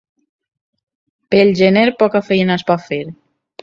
Pel gener poca feina es pot fer.